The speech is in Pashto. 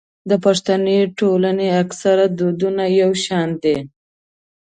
د پښتني ټولنو اکثره دودونه يو شان دي.